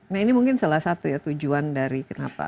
nah ini mungkin salah satu ya tujuan dari kenapa